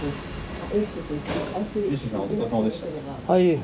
はい。